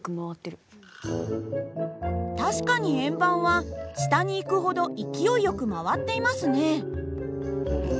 確かに円盤は下にいくほど勢いよく回っていますね。